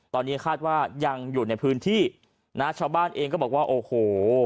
ตอนนี้คาดว่ายังอยู่ในพื้นที่นะชาวบ้านเองก็บอกว่าโอ้โห